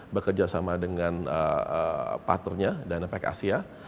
bekerja sama dengan partnernya dana pack asia